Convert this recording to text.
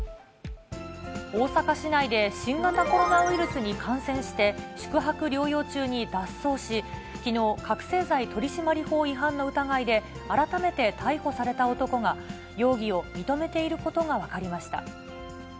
大阪市内で新型コロナウイルスに感染して、宿泊療養中に脱走し、きのう、覚醒剤取締法違反の疑いで、改めて逮捕された男が、容疑を認めていることが分かりました。